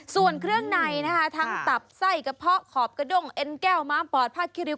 ส่วนเครื่องในนะคะทั้งตับไส้กระเพาะขอบกระด้งเอ็นแก้วม้ามปอดผ้าคิริว